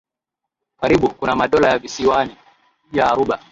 Karibi kuna madola ya visiwani ya Aruba